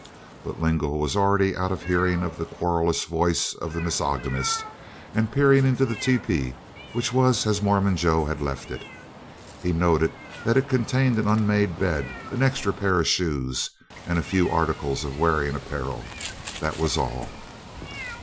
But Lingle was already out of hearing of the querulous voice of the misogynist, and peering into the tepee which was as Mormon Joe had left it he noted that it contained an unmade bed, and extra pair of shoes, and a few articles of wearing apparel that was all.